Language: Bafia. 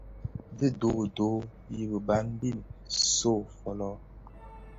Dhi doodoo yi biban bin nso fōlō.